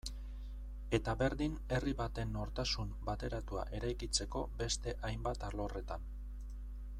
Eta berdin herri baten nortasun bateratua eraikitzeko beste hainbat alorretan.